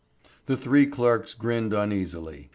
The three clerks grinned uneasily.